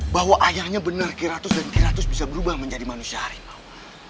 bahwa ayahnya benar kiratus dan kiratus bisa berubah menjadi manusia harimau